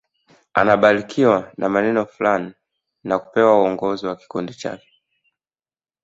Anabarikiwa na maneno fulani na kupewa uongozi wa kikundi chake